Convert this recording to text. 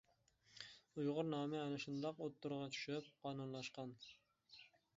ئۇيغۇر نامى ئەنە شۇنداق ئوتتۇرىغا چۈشۈپ قانۇنلاشقان.